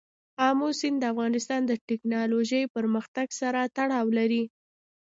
آمو سیند د افغانستان د تکنالوژۍ پرمختګ سره تړاو لري.